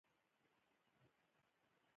هېڅ وخت مالیه په بشپړه توګه نه ده ټوله شوې.